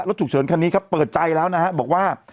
ฉุกเฉินคันนี้ครับเปิดใจแล้วนะฮะบอกว่า